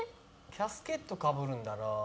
キャスケットかぶるんだな。